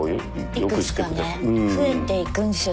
いくつかね増えていくんですよ